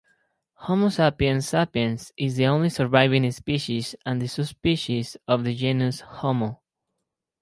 "Homo sapiens sapiens" is the only surviving species and subspecies of the genus "Homo".